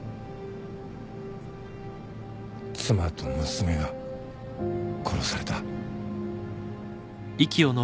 妻と娘が殺された。